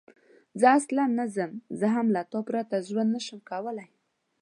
زه اصلاً نه ځم، زه هم له تا پرته ژوند نه شم کولای.